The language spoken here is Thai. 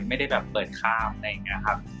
ไม่ได้แบบเปิดคามอะไรอย่างนี้ครับ